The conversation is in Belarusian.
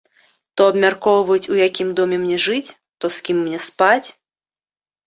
То абмяркоўваюць, у якім доме мне жыць, то з кім мне спаць.